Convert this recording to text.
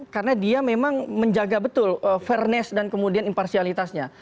karena dia memang menjaga betul fairness dan kemudian imparsialitasnya